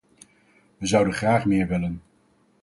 We zouden graag meer willen.